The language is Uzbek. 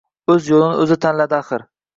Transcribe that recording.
O`z yo`lini o`zi tanladi axir